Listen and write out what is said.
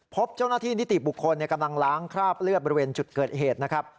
พบเจ้าหน้าที่นิติบุคคลกำลังล้างคราบเลือดบริเวณจุดเกิดเหตุนะครับ